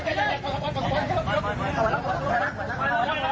มีภาพวงจรปิดอีกมุมหนึ่งของตอนที่เกิดเหตุนะฮะ